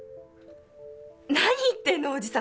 何言ってんのおじさん。